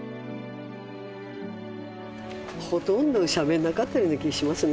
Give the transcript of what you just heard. ほとんどしゃべらなかったような気がしますね。